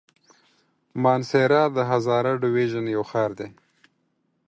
مانسهره د هزاره ډويژن يو ښار دی.